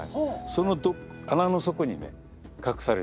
その穴の底にね隠されてると。